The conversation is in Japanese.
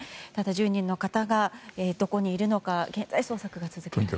１０人の方がどこにいるのか現在、捜索が続けられています。